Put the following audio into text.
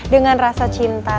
dengan rasa cinta